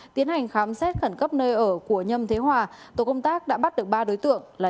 tiến hành khám xét khẩn cấp nơi ở của nhâm thế hòa tổ công tác đã bắt được ba đối tượng là